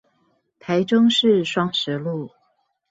台中市雙十路